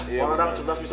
pak dadang cerdas bisa